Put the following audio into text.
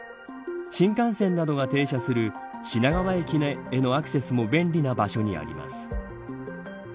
新幹線などが停車する品川駅へのアクセスも便利な場所にあります。